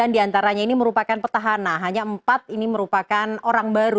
sembilan diantaranya ini merupakan petahana hanya empat ini merupakan orang baru